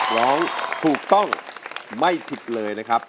ร้องถูกต้องไม่ผิดเลยนะครับ